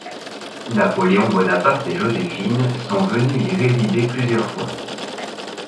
Napoléon Bonaparte et Joséphine sont venus y résider plusieurs fois.